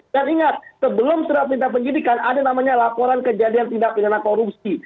dan ingat sebelum surat perintah penyelidikan ada namanya laporan kejadian tindak penyelidikan korupsi